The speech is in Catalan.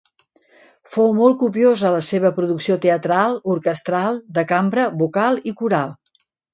Fou molt copiosa la seva producció teatral, orquestral, de cambra, vocal i coral.